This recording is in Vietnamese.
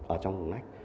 ở trong hõm nách